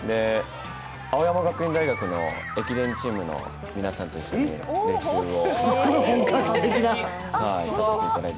青山学院大学の駅伝チームの皆さんと一緒に練習をさせていただいて。